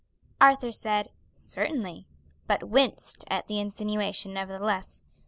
Arthur said, "Certainly," but winced at the insinuation nevertheless.